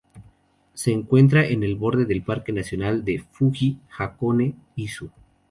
Se encuentra en el borde del Parque nacional de Fuji-Hakone-Izu.